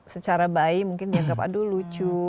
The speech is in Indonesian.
secara bayi mungkin dianggap aduh lucu